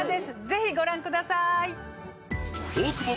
ぜひご覧ください。